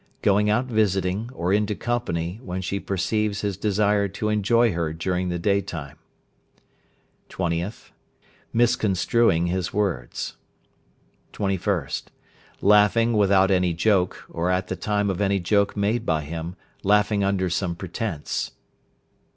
Going out visiting, or into company, when she perceives his desire to enjoy her during the day time. 20th. Mis constructing his words. 21st. Laughing without any joke, or at the time of any joke made by him, laughing under some pretence.